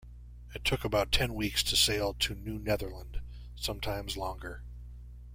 It took about ten weeks to sail to New Netherland, sometimes longer.